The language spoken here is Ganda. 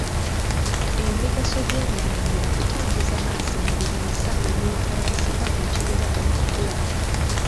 Emigaso gy'emirandira kutambuza mazzi na biriisa ebyetaagisibwa ekimera okukula